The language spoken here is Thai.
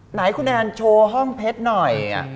ไหนคุณแอนโชว์ห้องเพชรหน่อย